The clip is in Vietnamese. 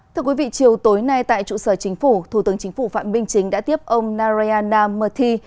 thưa quý vị chiều tối nay tại trụ sở chính phủ thủ tướng chính phủ phạm minh chính đã tiếp ông nareyana merthi